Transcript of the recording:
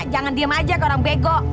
jangan diem aja ke orang bego